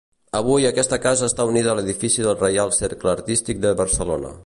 Avui aquesta casa està unida a l'edifici del Reial Cercle Artístic de Barcelona.